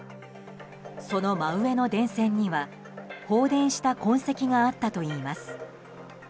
その真上の電線には放電した痕跡があったといいます。